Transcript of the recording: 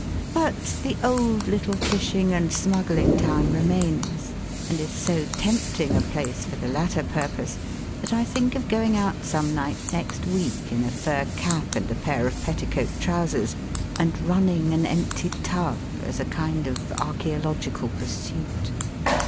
But, the old little fishing and smuggling town remains, and is so tempting a place for the latter purpose, that I think of going out some night next week, in a fur cap and a pair of petticoat trousers, and running an empty tub, as a kind of archæological pursuit.